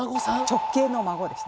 直系の孫でした。